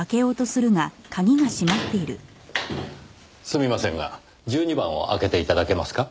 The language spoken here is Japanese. すみませんが１２番を開けて頂けますか？